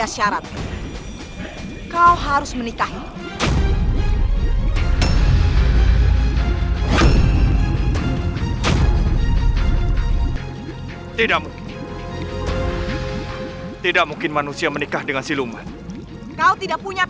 sampai jumpa di video selanjutnya